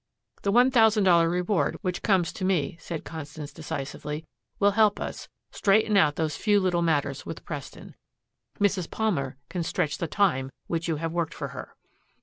"The one thousand dollar reward which comes to me," said Constance decisively, "will help us straighten out those few little matters with Preston. Mrs. Palmer can stretch the time which you have worked for her."